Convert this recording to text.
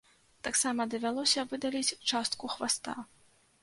Таксама давялося выдаліць частку хваста.